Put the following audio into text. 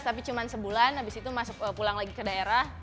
dua ribu delapan belas tapi cuma sebulan abis itu pulang lagi ke daerah